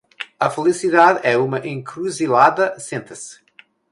A felicidade em uma encruzilhada senta-se.